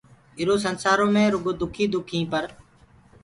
ايٚرو سنسآرو مي رُگو دُک ئي دُک ئينٚ پر